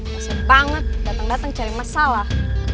masih banget dateng dateng cari masalah